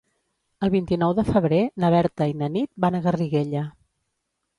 El vint-i-nou de febrer na Berta i na Nit van a Garriguella.